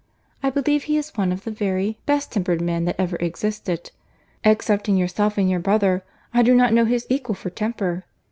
I believe he is one of the very best tempered men that ever existed. Excepting yourself and your brother, I do not know his equal for temper.